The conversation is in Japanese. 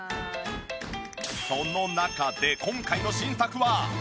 その中で今回の新作は！？